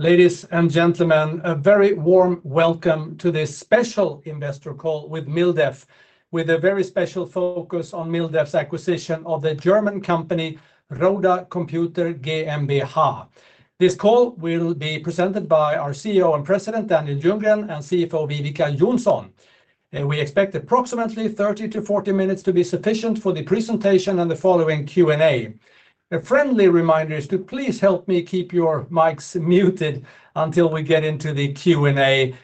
Ladies and gentlemen, a very warm welcome to this special investor call with MilDef, with a very special focus on MilDef's acquisition of the German company Roda Computer GmbH. This call will be presented by our CEO and President Daniel Ljunggren and CFO Viveca Johnsson. We expect approximately 30-40 minutes to be sufficient for the presentation and the following Q&A. A friendly reminder is to please help me keep your mics muted until we get into the Q&A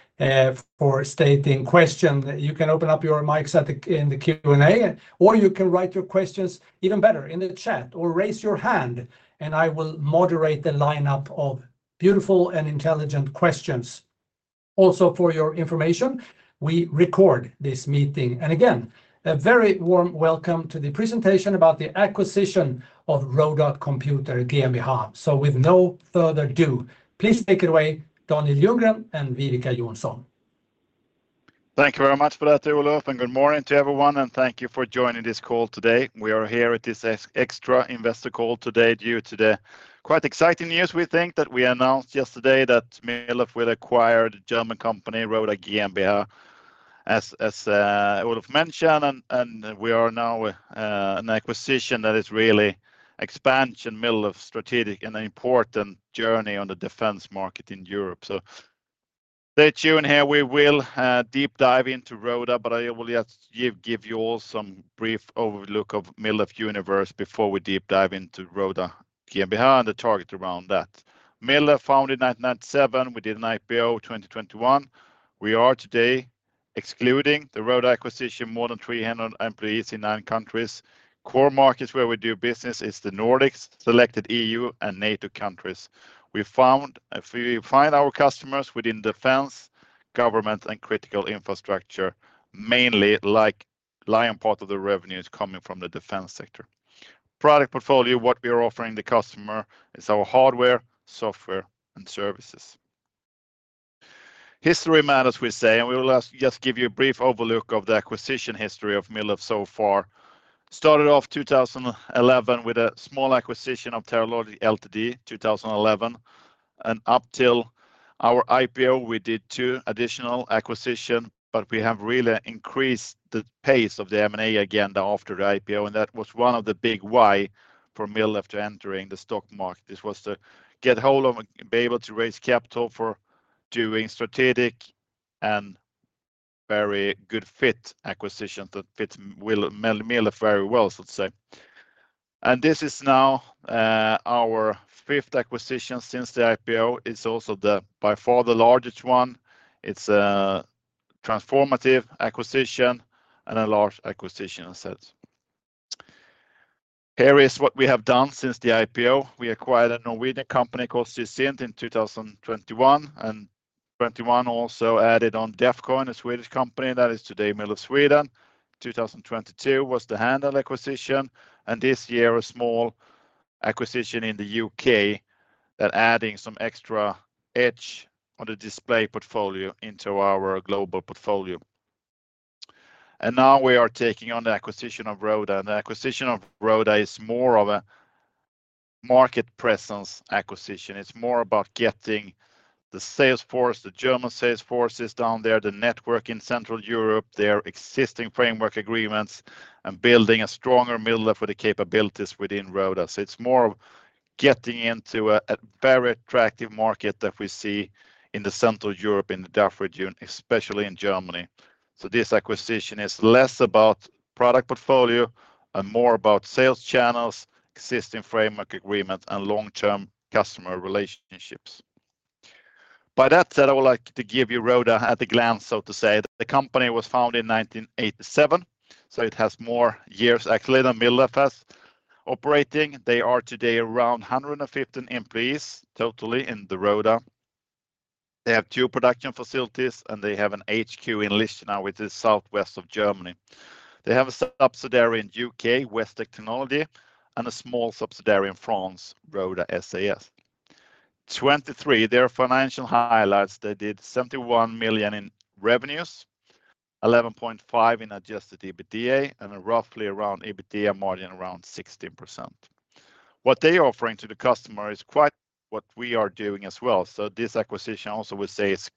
for stating questions. You can open up your mics in the Q&A, or you can write your questions, even better, in the chat or raise your hand, and I will moderate the lineup of beautiful and intelligent questions. Also, for your information, we record this meeting. And again, a very warm welcome to the presentation about the acquisition of Roda Computer GmbH. So, with no further ado, please take it away, Daniel Ljunggren and Viveca Johnsson. Thank you very much for that, Olof, and good morning to everyone, and thank you for joining this call today. We are here at this extra investor call today due to the quite exciting news we think that we announced yesterday that MilDef will acquire the German company Roda Computer GmbH, as Olof mentioned, and we are now an acquisition that is really expansion, MilDef's strategic and important journey on the defense market in Europe. So, stay tuned here. We will deep dive into Roda, but I will just give you all some brief overview of MilDef universe before we deep dive into Roda Computer GmbH and the target around that. MilDef was founded in 1997. We did an IPO in 2021. We are today excluding the Roda acquisition, more than 300 employees in nine countries. Core markets where we do business is the Nordics, selected EU, and NATO countries. We find our customers within defense, government, and critical infrastructure. Mainly, like, the lion's share of the revenue is coming from the defense sector. Product portfolio, what we are offering the customer is our hardware, software, and services. History matters, we say, and we will just give you a brief overview of the acquisition history of MilDef so far. Started off in 2011 with a small acquisition of Terralogic Ltd in 2011, and up till our IPO, we did two additional acquisitions, but we have really increased the pace of the M&A agenda after the IPO, and that was one of the big why for MilDef to enter the stock market. This was to get hold of and be able to raise capital for doing strategic and very good fit acquisitions that fit MilDef very well, so to say, and this is now our fifth acquisition since the IPO. It's also by far the largest one. It's a transformative acquisition and a large acquisition, as I said. Here is what we have done since the IPO. We acquired a Norwegian company called Sysint in 2021, and 2021 also added on Defcon, a Swedish company that is today MilDef Sweden. 2022 was the Handheld acquisition, and this year a small acquisition in the UK that added some extra edge on the display portfolio into our global portfolio. Now we are taking on the acquisition of Roda, and the acquisition of Roda is more of a market presence acquisition. It's more about getting the sales force, the German sales forces down there, the network in Central Europe, their existing framework agreements, and building a stronger MilDef with the capabilities within Roda. So it's more of getting into a very attractive market that we see in Central Europe, in the DACH region, especially in Germany. So this acquisition is less about product portfolio and more about sales channels, existing framework agreements, and long-term customer relationships. That said, I would like to give you Roda at a glance, so to say. The company was founded in 1987, so it has more years actually than MilDef has operated. They are today around 115 employees totally in Roda. They have two production facilities, and they have an HQ in Lichtenau, which is southwest of Germany. They have a subsidiary in the U.K., Westek Technology, and a small subsidiary in France, Roda SAS. 2023, their financial highlights, they did 71 million in revenues, 11.5 million in adjusted EBITDA, and roughly around EBITDA margin around 16%. What they are offering to the customer is quite what we are doing as well. So this acquisition, also, we say, is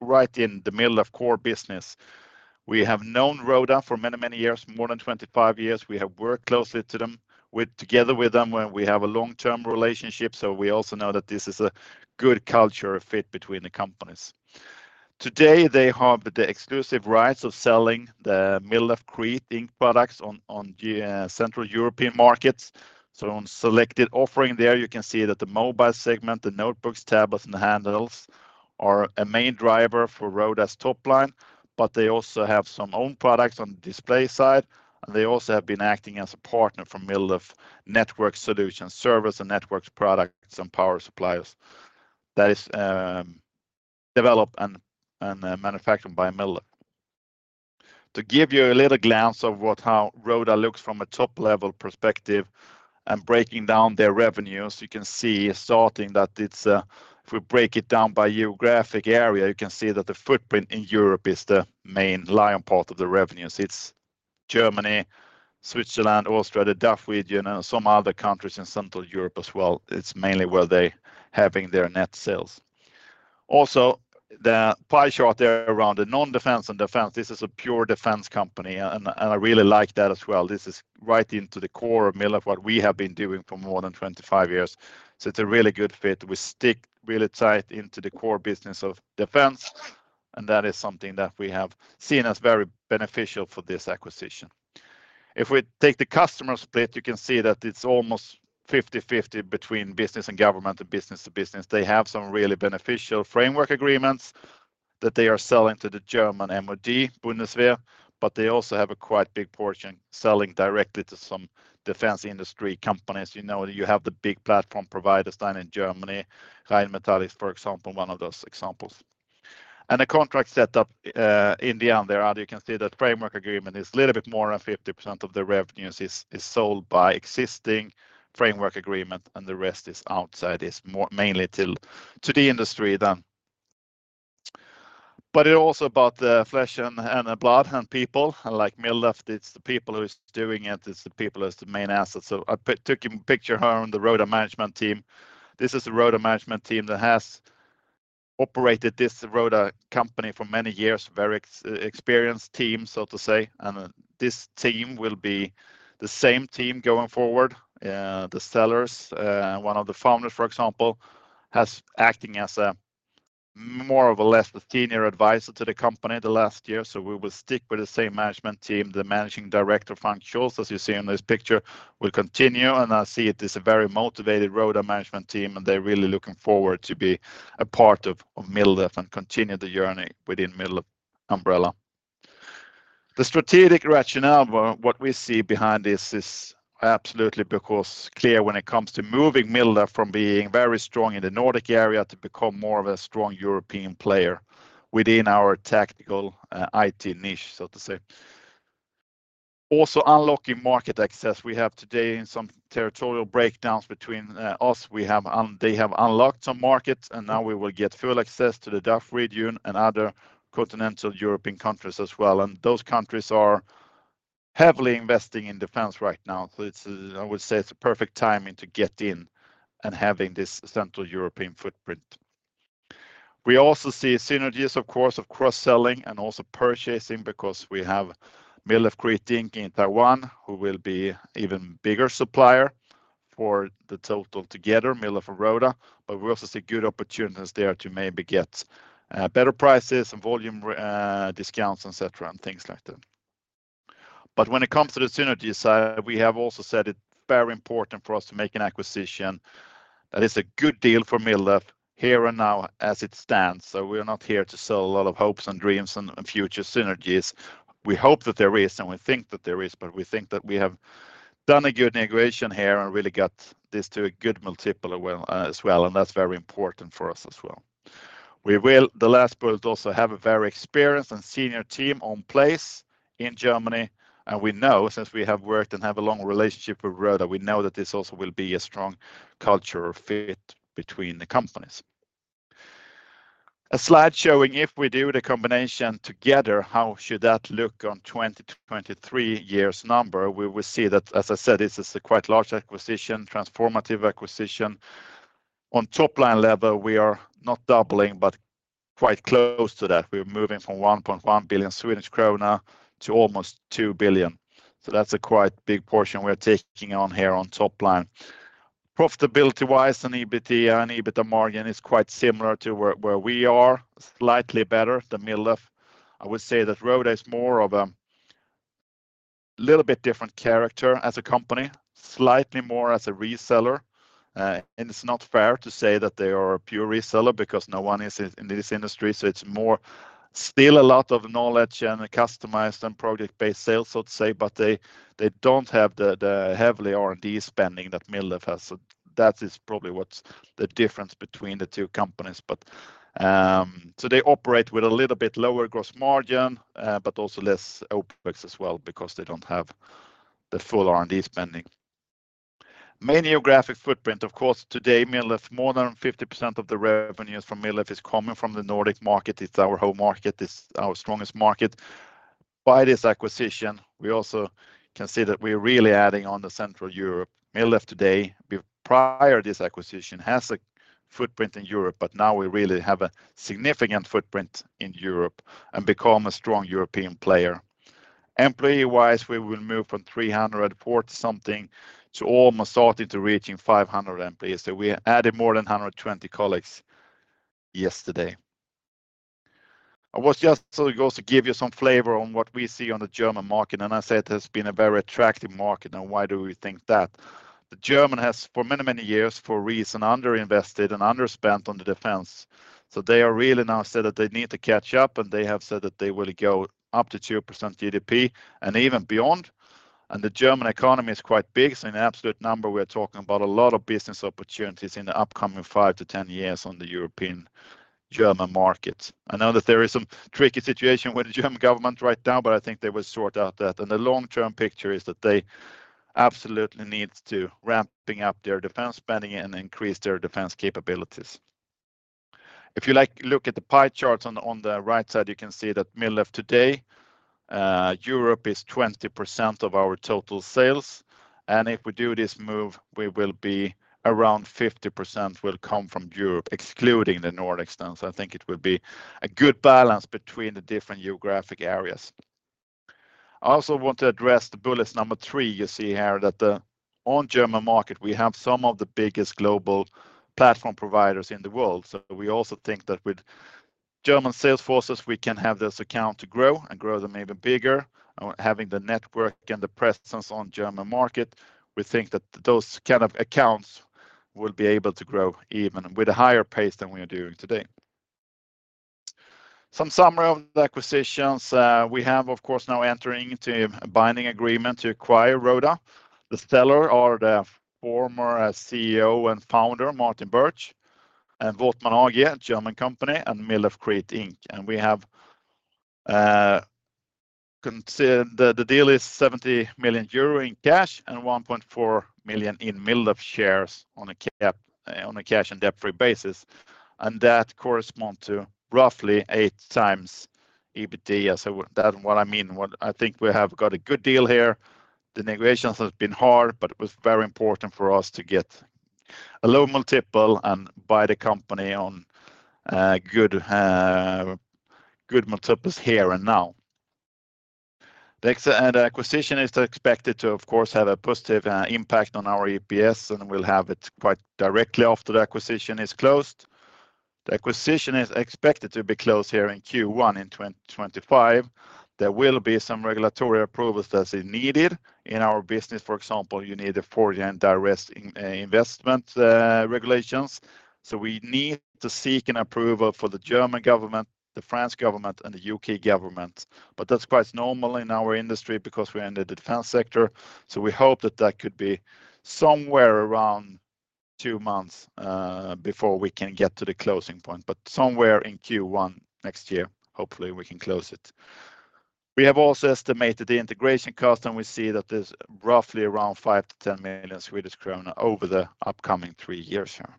right in the middle of core business. We have known Roda for many, many years, more than 25 years. We have worked closely together with them when we have a long-term relationship, so we also know that this is a good culture fit between the companies. Today, they have the exclusive rights of selling the MilDef Crete Inc. products on Central European markets. So on selected offering there, you can see that the mobile segment, the notebooks, tablets, and handhelds are a main driver for Roda's top line, but they also have some own products on the display side, and they also have been acting as a partner for MilDef Network Solutions, service and network products and power suppliers that are developed and manufactured by MilDef. To give you a little glance of how Roda looks from a top-level perspective and breaking down their revenues, you can see starting that if we break it down by geographic area, you can see that the footprint in Europe is the main lion's share of the revenues. It's Germany, Switzerland, Austria, the DACH region, and some other countries in Central Europe as well. It's mainly where they're having their net sales. Also, the pie chart there around the non-defense and defense, this is a pure defense company, and I really like that as well. This is right into the core of MilDef, what we have been doing for more than 25 years. So it's a really good fit. We stick really tight into the core business of defense, and that is something that we have seen as very beneficial for this acquisition. If we take the customer split, you can see that it's almost 50/50 between business and government and business to business. They have some really beneficial framework agreements that they are selling to the German MOD, Bundeswehr, but they also have a quite big portion selling directly to some defense industry companies. You know, you have the big platform providers down in Germany, Rheinmetall is, for example, one of those examples. And the contract setup in the end there, you can see that framework agreement is a little bit more than 50% of the revenues is sold by existing framework agreement, and the rest is outside, is mainly to the industry then. But it's also about the flesh and blood and people. Like MilDef, it's the people who are doing it. It's the people who are the main assets. So I took a picture here on the Roda management team. This is the Roda management team that has operated this Roda company for many years, very experienced team, so to say. And this team will be the same team going forward. The sellers, one of the founders, for example, is acting as more or less the senior advisor to the company the last year. So we will stick with the same management team. The managing director functions, as you see in this picture, will continue, and I see it is a very motivated Roda management team, and they're really looking forward to being a part of MilDef and continue the journey within MilDef umbrella. The strategic rationale, what we see behind this, is absolutely crystal clear when it comes to moving MilDef from being very strong in the Nordic area to become more of a strong European player within our technical IT niche, so to say. Also, unlocking market access. We have today some territorial breakdowns between us. They have unlocked some markets, and now we will get full access to the DACH region and other continental European countries as well. And those countries are heavily investing in defense right now. So I would say it's a perfect timing to get in and have this Central European footprint. We also see synergies, of course, of cross-selling and also purchasing because we have MilDef Crete Inc. in Taiwan, who will be an even bigger supplier for the total together, MilDef and Roda. But we also see good opportunities there to maybe get better prices and volume discounts, etc., and things like that. But when it comes to the synergies, we have also said it's very important for us to make an acquisition that is a good deal for MilDef here and now as it stands. So we're not here to sell a lot of hopes and dreams and future synergies. We hope that there is, and we think that there is, but we think that we have done a good negotiation here and really got this to a good multiplier as well, and that's very important for us as well. We will, the last bullet, also have a very experienced and senior team in place in Germany, and we know, since we have worked and have a long relationship with Roda, we know that this also will be a strong cultural fit between the companies. A slide showing if we do the combination together, how should that look on the 2023 year's number? We will see that, as I said, this is a quite large acquisition, transformative acquisition. On top line level, we are not doubling, but quite close to that. We are moving from 1.1 to almost 2 billion. That's a quite big portion we are taking on here on top line. Profitability-wise, an EBITDA and EBITDA margin is quite similar to where we are, slightly better than MilDef. I would say that Roda is more of a little bit different character as a company, slightly more as a reseller. It's not fair to say that they are a pure reseller because no one is in this industry. It's still a lot of knowledge and customized and project-based sales, so to say, but they don't have the heavily R&D spending that MilDef has. That is probably what's the difference between the two companies. They operate with a little bit lower gross margin, but also less OpEx as well because they don't have the full R&D spending. Main geographic footprint, of course, today, MilDef, more than 50% of the revenues from MilDef is coming from the Nordic market. It's our home market. It's our strongest market. By this acquisition, we also can see that we are really adding on the Central Europe. MilDef today, prior to this acquisition, has a footprint in Europe, but now we really have a significant footprint in Europe and become a strong European player. Employee-wise, we will move from 340-something to almost starting to reaching 500 employees. So we added more than 120 colleagues yesterday. I was just going to give you some flavor on what we see on the German market, and I said it has been a very attractive market. Why do we think that? The Germans have, for many, many years, for a reason, underinvested and underspent on the defense. They are really now said that they need to catch up, and they have said that they will go up to 2% GDP and even beyond. The German economy is quite big. In absolute number, we are talking about a lot of business opportunities in the upcoming 5 to 10 years on the European German market. I know that there is some tricky situation with the German government right now, but I think they will sort that out. The long-term picture is that they absolutely need to ramp up their defense spending and increase their defense capabilities. If you look at the pie charts on the right side, you can see that MilDef today. Europe is 20% of our total sales. If we do this move, we will be around 50% will come from Europe, excluding the Nordics. So I think it will be a good balance between the different geographic areas. I also want to address the bullet number three you see here that on the German market, we have some of the biggest global platform providers in the world. So we also think that with German sales forces, we can have this account to grow and grow them even bigger. Having the network and the presence on the German market, we think that those kind of accounts will be able to grow even with a higher pace than we are doing today. Some summary of the acquisitions. We have, of course, now entering into a binding agreement to acquire Roda. The seller are the former CEO and founder, Martin Bitsch, and Wortmann AG, a German company, and MilDef Crete Inc. We have considered the deal is 70 million euro in cash and 1.4 million in MilDef shares on a cash and debt-free basis. That corresponds to roughly 8x EBITDA. That's what I mean. I think we have got a good deal here. The negotiations have been hard, but it was very important for us to get a low multiple and buy the company on good multiples here and now. The acquisition is expected to, of course, have a positive impact on our EPS, and we'll have it quite directly after the acquisition is closed. The acquisition is expected to be closed here in Q1 in 2025. There will be some regulatory approvals that are needed. In our business, for example, you need the foreign direct investment regulations. So we need to seek an approval for the German government, the French government, and the U.K. government. But that's quite normal in our industry because we're in the defense sector. So we hope that that could be somewhere around two months before we can get to the closing point, but somewhere in Q1 next year, hopefully we can close it. We have also estimated the integration cost, and we see that there's roughly around 5 to 10 million over the upcoming three years here.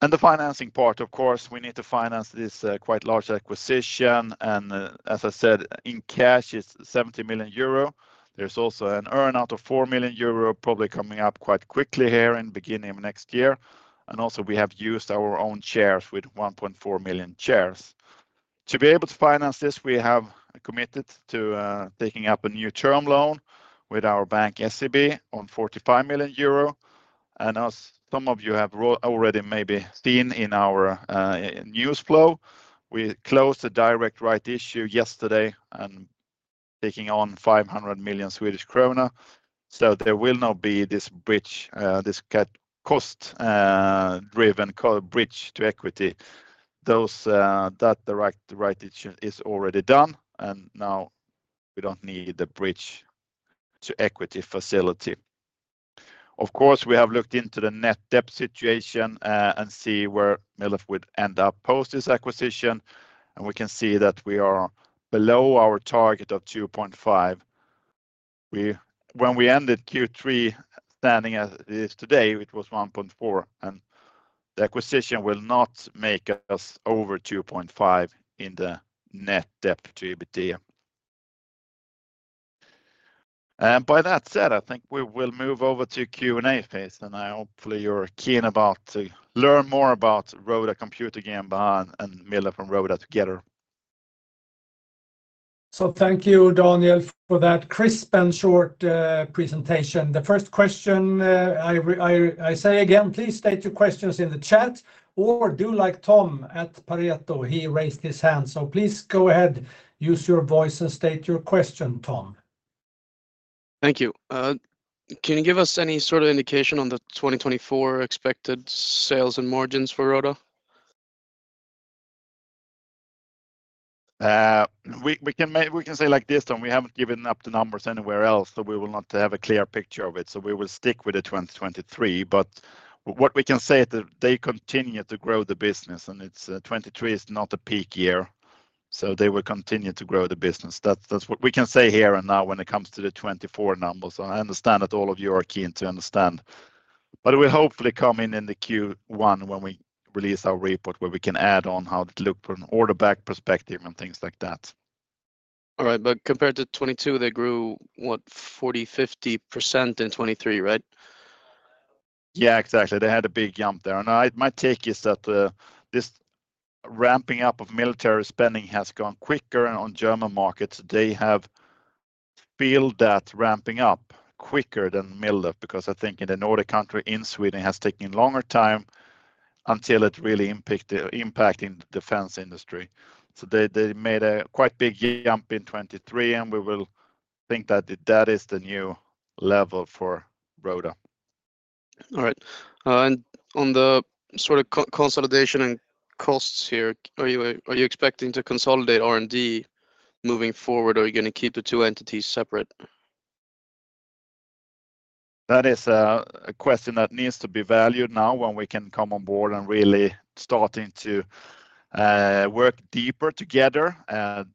And the financing part, of course, we need to finance this quite large acquisition. And as I said, in cash, it's 70 million euro. There's also an earnout of 4 million euro probably coming up quite quickly here in the beginning of next year. And also, we have used our own shares with 1.4 million shares. To be able to finance this, we have committed to taking up a new term loan with our bank, SEB, on 45 million euro. As some of you have already maybe seen in our news flow, we closed a directed rights issue yesterday and taking on 500 million Swedish krona. So there will not be this cost-driven bridge to equity. That directed rights issue is already done, and now we don't need the bridge to equity facility. Of course, we have looked into the net debt situation and see where MilDef would end up post this acquisition. And we can see that we are below our target of 2.5. When we ended Q3, standing as it is today, it was 1.4. And the acquisition will not make us over 2.5 in the net debt to EBITDA. And by that said, I think we will move over to Q&A phase. And I hope you're keen to learn more about Roda Computer GmbH and MilDef and Roda together. So thank you, Daniel, for that crisp and short presentation. The first question, I say again, please state your questions in the chat or do like Tom at Pareto. He raised his hand. So please go ahead, use your voice and state your question, Tom. Thank you. Can you give us any sort of indication on the 2024 expected sales and margins for Roda? We can say like this, Tom. We haven't given up the numbers anywhere else, so we will not have a clear picture of it. So we will stick with the 2023. But what we can say is that they continue to grow the business, and 2023 is not a peak year. So they will continue to grow the business. That's what we can say here and now when it comes to the 2024 numbers. And I understand that all of you are keen to understand. But we'll hopefully come in in the Q1 when we release our report where we can add on how it looked from an order backlog perspective and things like that. All right. But compared to 2022, they grew, what, 40% to 50% in 2023, right? Yeah, exactly. They had a big jump there. And my take is that this ramping up of military spending has gone quicker on German markets. They have felt that ramping up quicker than MilDef because I think in the Nordics, in Sweden, it has taken longer time until it really impacted the defense industry. So they made a quite big jump in 2023, and we will think that that is the new level for Roda. All right. And on the sort of consolidation and costs here, are you expecting to consolidate R&D moving forward, or are you going to keep the two entities separate? That is a question that needs to be evaluated now when we can come on board and really starting to work deeper together.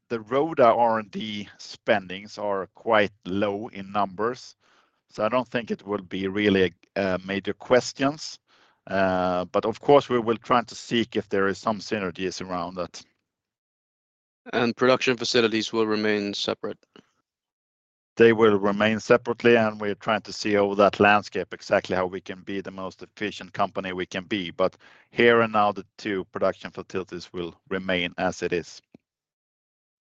The Roda R&D spending is quite low in numbers. So I don't think it will be really major questions. But of course, we will try to see if there are some synergies around that. And production facilities will remain separate? They will remain separately, and we're trying to see over that landscape exactly how we can be the most efficient company we can be. But here and now, the two production facilities will remain as it is.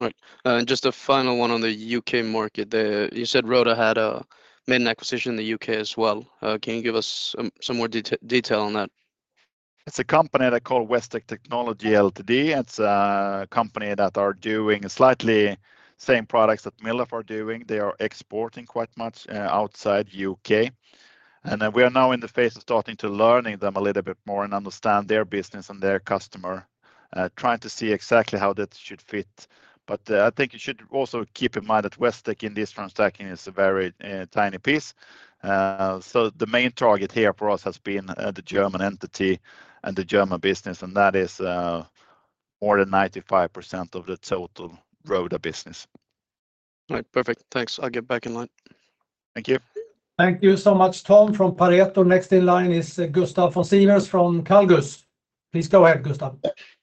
Right. And just a final one on the U.K. market. You said Roda had a main acquisition in the U.K. as well. Can you give us some more detail on that? It's a company they call Westek Technology Ltd. It's a company that are doing slightly the same products that MilDef are doing. They are exporting quite much outside the U.K., and we are now in the phase of starting to learn them a little bit more and understand their business and their customer, trying to see exactly how that should fit. But I think you should also keep in mind that Westek in this transaction is a very tiny piece. So the main target here for us has been the German entity and the German business, and that is more than 95% of the total Roda business. All right. Perfect. Thanks. I'll get back in line. Thank you. Thank you so much, Tom. From Pareto, next in line is Gustav von Sivers from Calgus. Please go ahead, Gustav.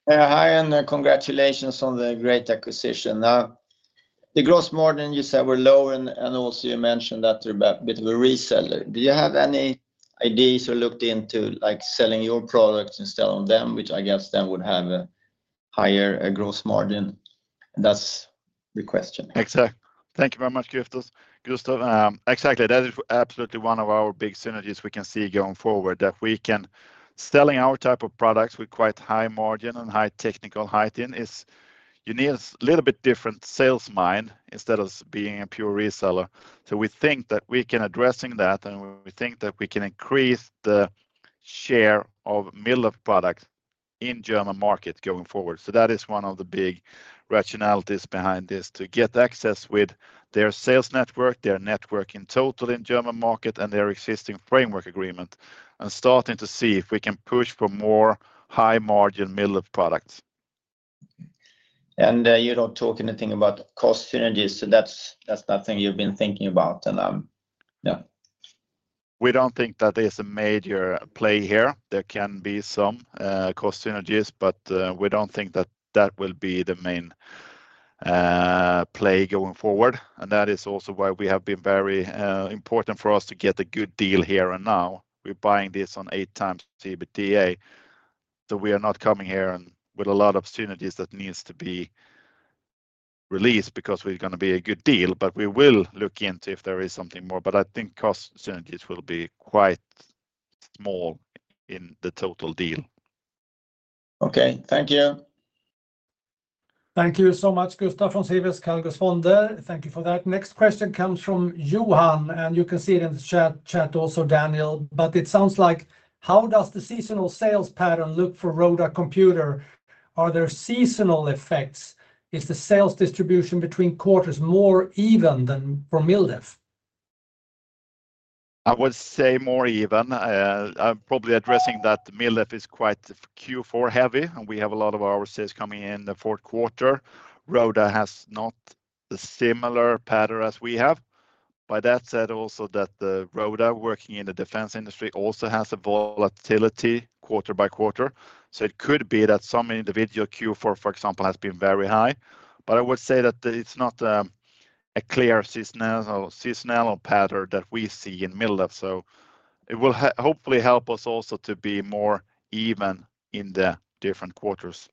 Hi, and congratulations on the great acquisition. The gross margin, you said, were low, and also you mentioned that you're a bit of a reseller. Do you have any ideas or looked into selling your products instead of them, which I guess then would have a higher gross margin? That's the question. Exactly. Thank you very much, Gustav. Exactly. That is absolutely one of our big synergies we can see going forward that we can sell our type of products with quite high margin and high technical height in. You need a little bit different sales mind instead of being a pure reseller. So we think that we can address that, and we think that we can increase the share of MilDef product in the German market going forward. So that is one of the big rationalities behind this to get access with their sales network, their network in total in the German market, and their existing framework agreement, and starting to see if we can push for more high-margin MilDef products. And you don't talk anything about cost synergies, so that's nothing you've been thinking about. Yeah. We don't think that there's a major play here. There can be some cost synergies, but we don't think that that will be the main play going forward. And that is also why we have been very important for us to get a good deal here and now. We're buying this on eight times EBITDA. So we are not coming here with a lot of synergies that needs to be released because we're going to be a good deal, but we will look into if there is something more. But I think cost synergies will be quite small in the total deal. Okay. Thank you. Thank you so much, Gustav von Sivers, Calgus. Thank you for that. Next question comes from Johan, and you can see it in the chat also, Daniel. But it sounds like, how does the seasonal sales pattern look for Roda Computer? Are there seasonal effects? Is the sales distribution between quarters more even than for MilDef? I would say more even. I'm probably addressing that MilDef is quite Q4 heavy, and we have a lot of our sales coming in the Q4. Roda has not a similar pattern as we have. By that said also that the Roda working in the defense industry also has a volatility quarter-by-quarter. So it could be that some individual Q4, for example, has been very high. But I would say that it's not a clear seasonal pattern that we see in MilDef. So it will hopefully help us also to be more even in the different quarters.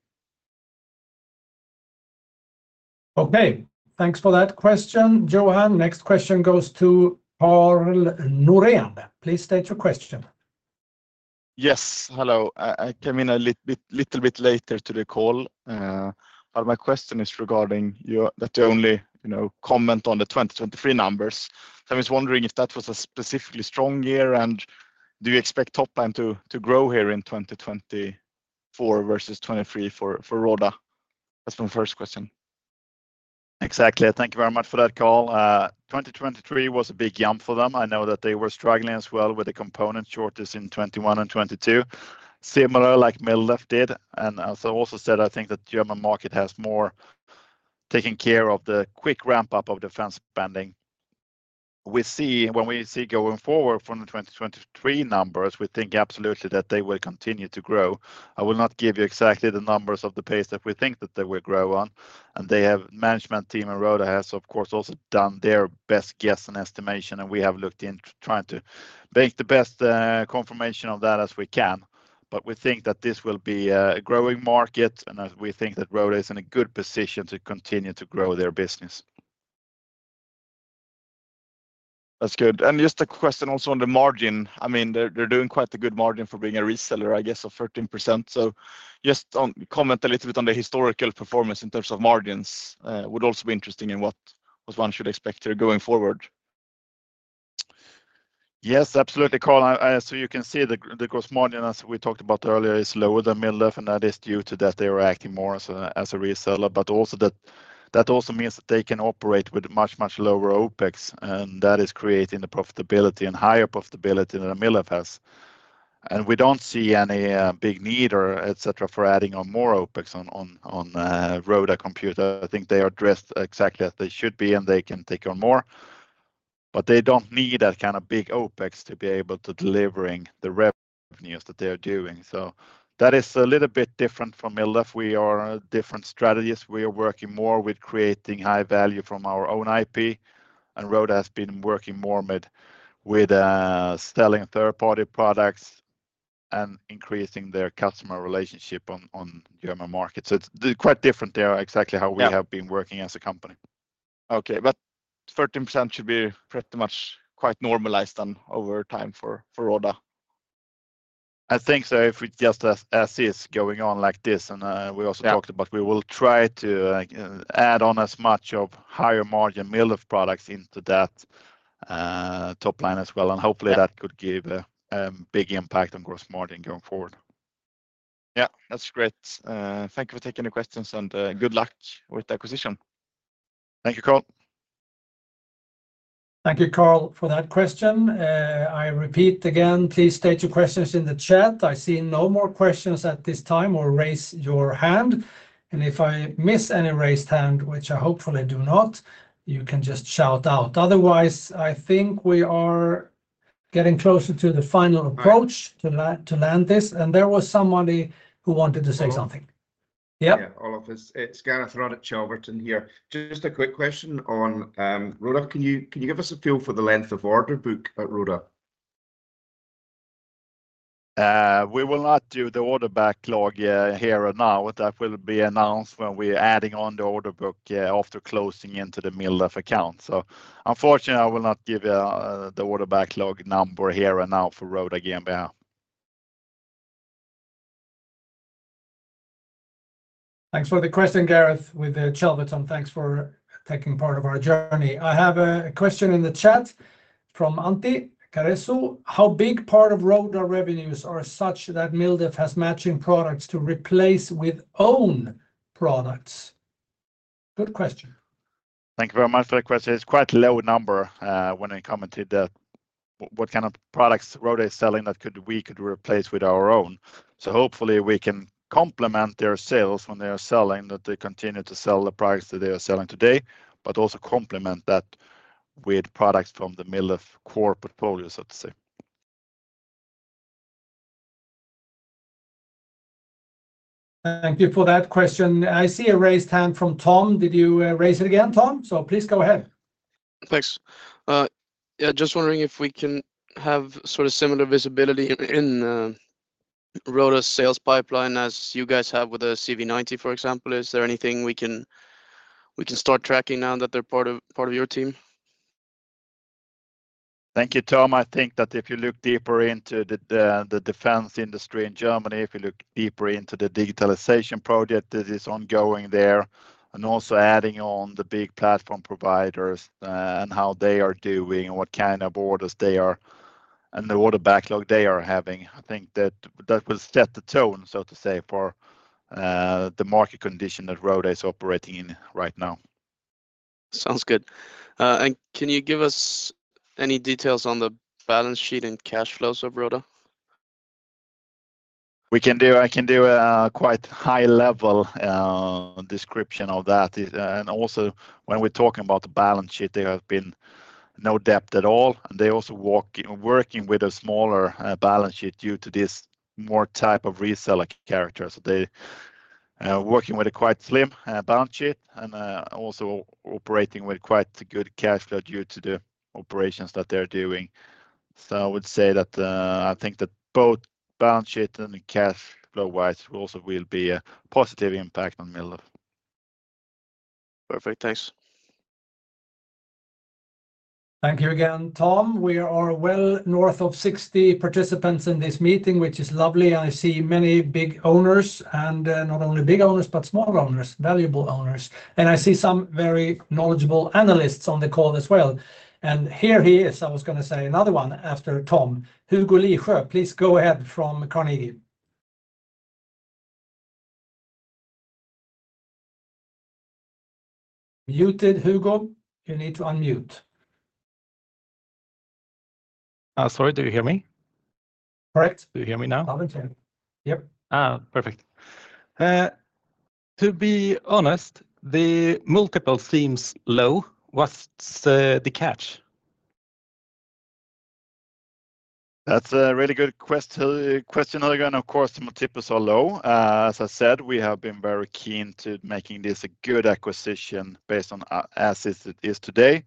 Okay. Thanks for that question, Johan. Next question goes to Carl Norén. Please state your question. Yes. Hello. I came in a little bit later to the call. But my question is regarding that you only comment on the 2023 numbers. I was wondering if that was a specifically strong year, and do you expect top line to grow here in 2024 versus 2023 for Roda? That's my first question. Exactly. Thank you very much for that, Carl. 2023 was a big jump for them. I know that they were struggling as well with the component shortage in 2021 and 2022, similar like MilDef did. As I also said, I think that the German market has more taken care of the quick ramp-up of defense spending. When we see going forward from the 2023 numbers, we think absolutely that they will continue to grow. I will not give you exactly the numbers of the pace that we think that they will grow on. The management team in Roda has, of course, also done their best guess and estimation, and we have looked into trying to make the best confirmation of that as we can. But we think that this will be a growing market, and we think that Roda is in a good position to continue to grow their business. That's good. Just a question also on the margin. I mean, they're doing quite a good margin for being a reseller, I guess, of 13%. So, just comment a little bit on the historical performance in terms of margins. Would also be interesting in what one should expect here going forward. Yes, absolutely, Carl. So you can see the gross margin, as we talked about earlier, is lower than MilDef, and that is due to that they are acting more as a reseller. But that also means that they can operate with much, much lower OpEx, and that is creating the profitability and higher profitability than MilDef has. And we don't see any big need, etc., for adding on more OpEx on Roda Computer. I think they are dressed exactly as they should be, and they can take on more. But they don't need that kind of big OpEx to be able to deliver the revenues that they are doing. So that is a little bit different from MilDef. We are different strategies. We are working more with creating high value from our own IP. And Roda has been working more with selling third-party products and increasing their customer relationship on the German market. So it's quite different there, exactly how we have been working as a company. Okay. But 13% should be pretty much quite normalized over time for Roda. I think so, if we just see it going on like this. And we also talked about we will try to add on as much of higher margin MilDef products into that top line as well. And hopefully, that could give a big impact on gross margin going forward. Yeah, that's great. Thank you for taking the questions, and good luck with the acquisition. Thank you, Carl. Thank you, Carl, for that question. I repeat again, please state your questions in the chat. I see no more questions at this time or raise your hand. And if I miss any raised hand, which I hopefully do not, you can just shout out. Otherwise, I think we are getting closer to the final approach to land this. And there was somebody who wanted to say something. Yeah? Yeah, Olof, it's Gernot Röthig Chelverton here. Just a quick question on Roda. Can you give us a feel for the length of order book at Roda? We will not do the order backlog here and now. That will be announced when we're adding on the order book after closing into the MilDef account. So unfortunately, I will not give you the order backlog number here and now for Roda GmbH. Thanks for the question, Gernot, With Chelverton, thanks for taking part of our journey. I have a question in the chat from Antti Kansanen. How big part of Roda revenues are such that MilDef has matching products to replace with own products? Good question. Thank you very much for the question. It's quite a low number when it comes to what kind of products Roda is selling that we could replace with our own. So hopefully, we can complement their sales when they are selling, that they continue to sell the products that they are selling today, but also complement that with products from the MilDef core portfolio, so to say. Thank you for that question. I see a raised hand from Tom. Did you raise it again, Tom? So please go ahead. Thanks. Yeah, just wondering if we can have sort of similar visibility in Roda's sales pipeline as you guys have with the CV90, for example. Is there anything we can start tracking now that they're part of your team? Thank you, Tom. I think that if you look deeper into the defense industry in Germany, if you look deeper into the digitalization project that is ongoing there, and also adding on the big platform providers and how they are doing and what kind of orders they are and the order backlog they are having, I think that will set the tone, so to say, for the market condition that Roda is operating in right now. Sounds good, and can you give us any details on the balance sheet and cash flows of Roda? I can do a quite high-level description of that, and also, when we're talking about the balance sheet, there has been no debt at all. And they're also working with a smaller balance sheet due to this more type of reseller character. So they are working with a quite slim balance sheet and also operating with quite good cash flow due to the operations that they're doing. So I would say that I think that both balance sheet and cash flow-wise also will be a positive impact on MilDef. Perfect. Thanks. Thank you again, Tom. We are well north of 60 participants in this meeting, which is lovely. I see many big owners, and not only big owners, but small owners, valuable owners. And I see some very knowledgeable analysts on the call as well. And here he is. I was going to say another one after Tom. Hugo Lisjö, please go ahead from Carnegie. Muted, Hugo. You need to unmute. Sorry, do you hear me? Correct. Do you hear me now? Perfect. To be honest, the multiple seems low. What's the catch? That's a really good question. Of course, the multiples are low. As I said, we have been very keen to making this a good acquisition based on as it is today.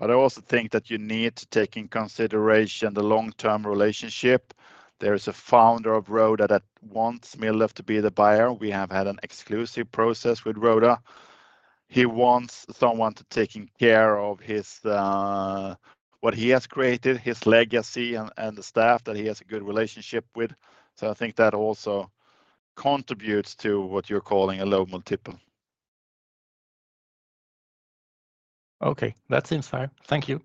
But I also think that you need to take in consideration the long-term relationship. There is a founder of Roda that wants MilDef to be the buyer. We have had an exclusive process with Roda. He wants someone to take care of what he has created, his legacy, and the staff that he has a good relationship with. So I think that also contributes to what you're calling a low multiple. Okay, that seems fine. Thank you.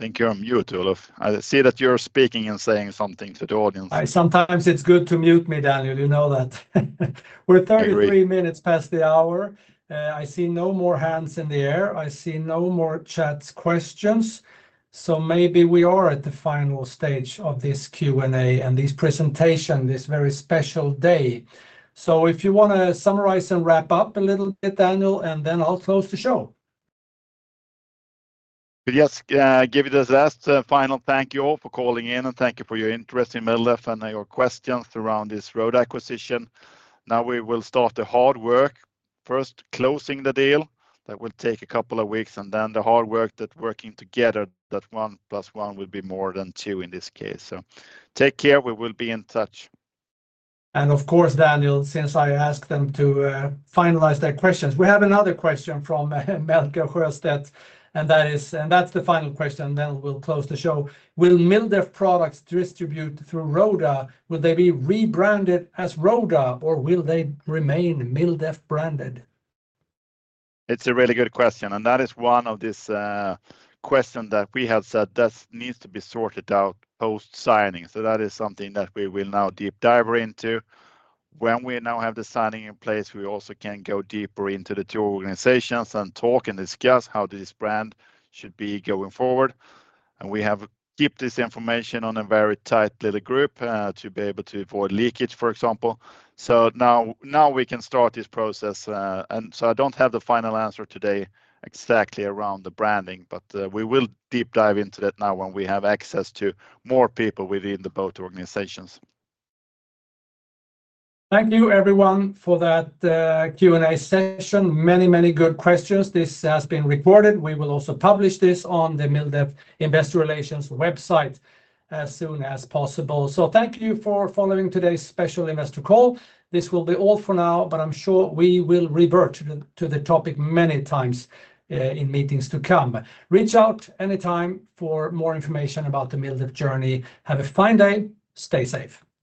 Thank you. I'm muted, Olof. I see that you're speaking and saying something to the audience. Sometimes it's good to mute me, Daniel. You know that. We're 33 minutes past the hour. I see no more hands in the air. I see no more chat questions. So maybe we are at the final stage of this Q&A and this presentation, this very special day. So if you want to summarize and wrap up a little bit, Daniel, and then I'll close the show. Yes, give you the last final thank you all for calling in, and thank you for your interest in MilDef and your questions around this Roda acquisition. Now we will start the hard work, first closing the deal. That will take a couple of weeks, and then the hard work that working together, that one plus one will be more than two in this case. So take care. We will be in touch. And of course, Daniel, since I asked them to finalize their questions, we have another question from Melker Hörstedt, and that's the final question, and then we'll close the show. Will MilDef products distribute through Roda? Will they be rebranded as Roda, or will they remain MilDef branded? It's a really good question, and that is one of these questions that we have said that needs to be sorted out post-signing. So that is something that we will now deep dive into. When we now have the signing in place, we also can go deeper into the two organizations and talk and discuss how this brand should be going forward. And we have kept this information on a very tight little group to be able to avoid leakage, for example. So now we can start this process. And so I don't have the final answer today exactly around the branding, but we will deep dive into that now when we have access to more people within the both organizations. Thank you, everyone, for that Q&A session. Many, many good questions. This has been recorded. We will also publish this on the MilDef Investor Relations website as soon as possible. So thank you for following today's special investor call. This will be all for now, but I'm sure we will revert to the topic many times in meetings to come. Reach out anytime for more information about the MilDef journey. Have a fine day. Stay safe.